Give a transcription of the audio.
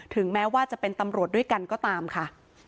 แม้ว่าจะเป็นตำรวจด้วยกันก็ตามค่ะ